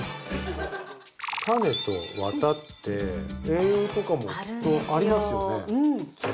タネとワタって栄養とかもきっとありますよね